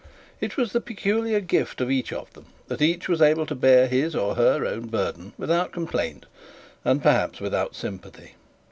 It was the peculiar gift of each of them that each was able to bear his or her own burden without complaint, and perhaps without sympathy.